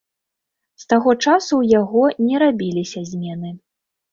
З таго часу ў яго не рабіліся змены.